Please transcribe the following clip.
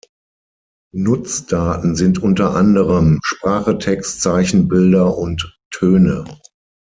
Nutzdaten sind unter anderem Sprache, Text, Zeichen, Bilder und Töne.